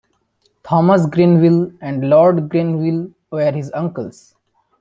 Thomas Grenville and Lord Grenville were his uncles.